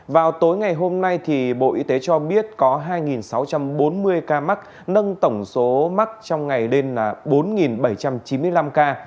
vào tối ngày hôm nay bộ y tế cho biết có hai sáu trăm bốn mươi ca mắc nâng tổng số mắc trong ngày lên là bốn bảy trăm chín mươi năm ca